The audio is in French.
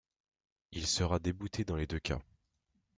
Il sera débouté dans les deux cas.